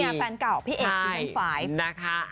เนี่ยแฟนเก่าพี่เอกซินเทน๕